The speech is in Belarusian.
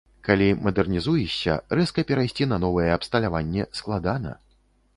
Калі мадэрнізуешся, рэзка перайсці на новае абсталяванне складана.